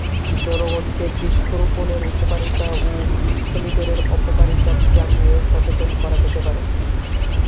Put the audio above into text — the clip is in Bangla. জনগনকে বৃক্ষরোপণের উপকারিতা ও বৃক্ষনিধণের অপকারিতা জানিয়ে সচেতন করা যেতে পারে।